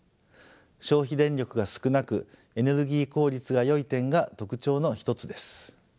消費電力が少なくエネルギー効率がよい点が特徴の一つです。